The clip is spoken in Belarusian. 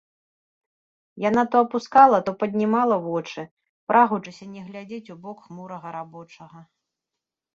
Яна то апускала, то паднімала вочы, прагучыся не глядзець у бок хмурага рабочага.